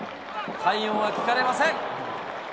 快音は聞かれません。